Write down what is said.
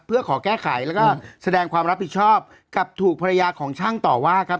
เพื่อขอแก้ไขแล้วก็แสดงความรับผิดชอบกับถูกภรรยาของช่างต่อว่าครับ